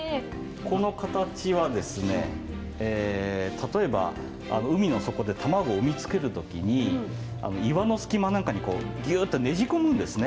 この形はですね例えば海の底で卵を産みつけるときに岩の隙間なんかにこうギュッとねじ込むんですね。